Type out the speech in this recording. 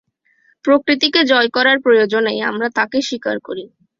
প্রকৃতিকে জয় করার প্রয়োজনেই আমরা তাকে স্বীকার করি।